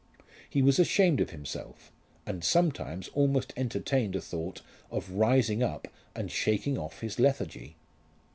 He was ashamed of himself, and sometimes almost entertained a thought of rising up and shaking off his lethargy.